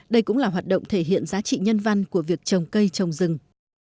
đây cũng là hoạt động thể hiện giá trị nhân văn của việc trồng cây trồng rừng